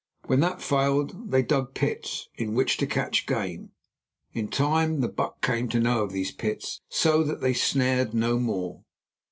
When that failed they dug pits in which to catch game. In time the buck came to know of these pits, so that they snared no more.